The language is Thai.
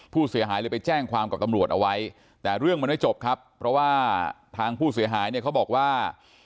ผู้เสียหายเลยไปแจ้งความกับตำรวจเอาไว้แต่เรื่องมันไม่จบครับเพราะว่าทางผู้เสียหายเนี่ยเขาบอกว่า